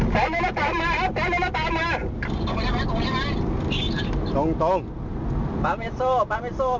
กลับทั้งหูดูแลอย่างงี้ครับ